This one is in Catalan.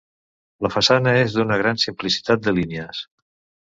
La façana és d'una gran simplicitat de línies.